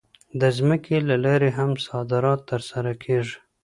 د ځمکې له لارې هم صادرات ترسره کېږي.